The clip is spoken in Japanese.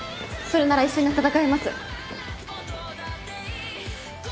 それなら一緒に闘います。